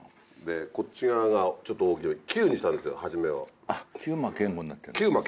こっち側がちょっと大きめ「９」にしたんですよ初めを。